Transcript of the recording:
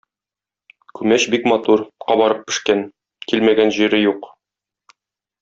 Күмәч бик матур, кабарып пешкән, килмәгән җире юк.